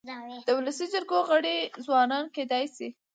د ولسي جرګو غړي ځوانان کيدای سي.